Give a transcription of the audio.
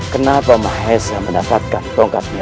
kenapa mahesa mendapatkan tongkatnya